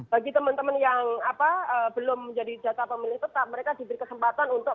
bagi teman teman yang belum menjadi data pemilih tetap mereka diberi kesempatan untuk